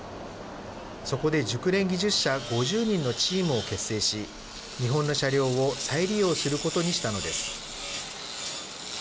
そこで熟練技術者５０人のチームを結成し日本の車両を再利用することにしたのです。